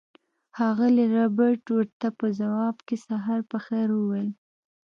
ښاغلي ربیټ ورته په ځواب کې سهار په خیر وویل